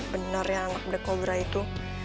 bener ya anak black cobra itu